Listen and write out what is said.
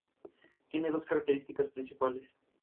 Tiene dos características principales.